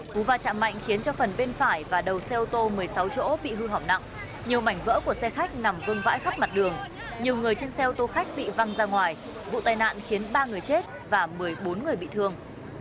cú va chạm mạnh khiến cho phần bên phải và đầu xe ô tô một mươi sáu chỗ bị hư hỏng nặng nhiều mảnh vỡ của xe khách nằm vương vãi khắp mặt đường nhiều người trên xe ô tô khách bị văng ra ngoài vụ tai nạn khiến ba người chết và một mươi bốn người bị thương